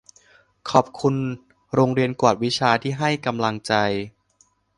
ขอบคุณโรงเรียนกวดวิชาที่ให้กำลังใจ